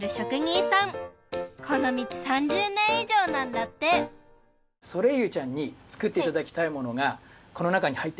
このみち３０ねんいじょうなんだってソレイユちゃんにつくっていただきたいものがこのなかにはいってます